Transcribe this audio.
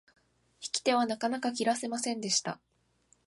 引き手はなかなか切らせませんでした。